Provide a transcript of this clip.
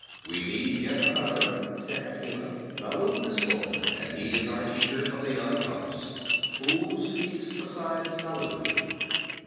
"We need yet another," said Akela. "Baloo has spoken, and he is our teacher for the young cubs. Who speaks besides Baloo?"